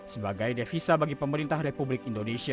sebagai devisa bagi pemerintah republik indonesia